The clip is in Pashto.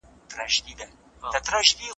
آیا عملي کار تر نظري کار خوندور دی؟